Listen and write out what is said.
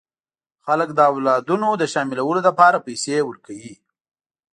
خلک د اولادونو د شاملولو لپاره پیسې ورکوي.